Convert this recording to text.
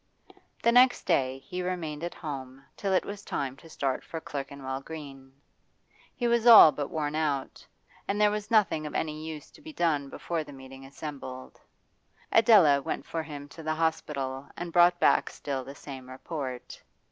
The next day he remained at home till it was time to start for Clerkenwell Green. He was all but worn out, and there was nothing of any use to be done before the meeting assembled. Adela went for him to the hospital and brought back still the same report.